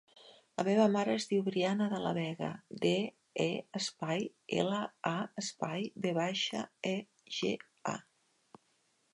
La meva mare es diu Briana De La Vega: de, e, espai, ela, a, espai, ve baixa, e, ge, a.